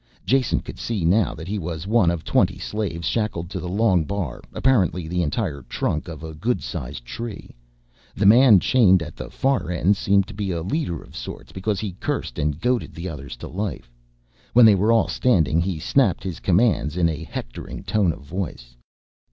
Jason could see now that he was one of twenty slaves shackled to the long bar, apparently the entire trunk of a good sized tree. The man chained at the far end seemed to be a leader of sorts because he cursed and goaded the others to life. When they were all standing he snapped his commands in a hectoring tone of voice.